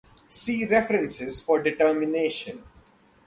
See references for determination.